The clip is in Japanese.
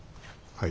はい。